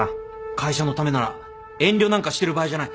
会社のためなら遠慮なんかしてる場合じゃない。